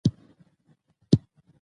ډیوه بې ځايه غرور لري